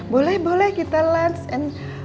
boleh boleh kita lunch and